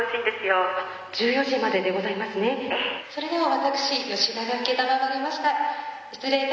それでは私吉田が承りました。